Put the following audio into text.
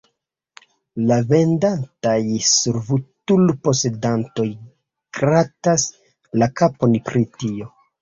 La vendantaj servutul-posedantoj gratas la kapon pri tio.